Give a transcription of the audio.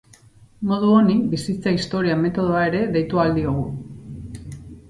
Modu honi bizitza-historia metodoa ere deitu ahal diogu.